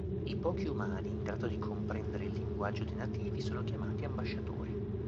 I pochi umani in grado di comprendere il linguaggio dei nativi sono chiamati "Ambasciatori".